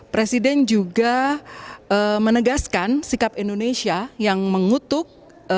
presiden juga menegaskan sikap indonesia yang mengutuk